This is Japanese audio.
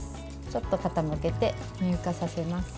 ちょっと傾けて乳化させます。